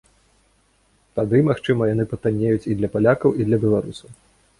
Тады, магчыма, яны патаннеюць і для палякаў, і для беларусаў.